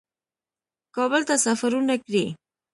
کابل ته سفرونه کړي